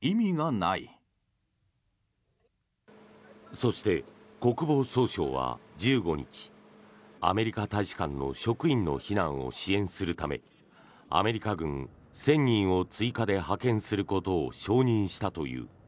そして、国防総省は１５日アメリカ大使館の職員の避難を支援するためアメリカ軍１０００人を追加で派遣することを承認したという。